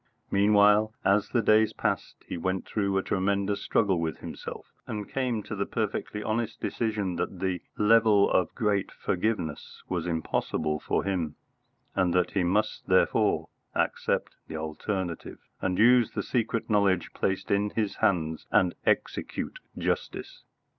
Meanwhile, as the days passed, he went through a tremendous struggle with himself, and came to the perfectly honest decision that the "level of a great forgiveness" was impossible for him, and that he must therefore accept the alternative and use the secret knowledge placed in his hands and execute justice.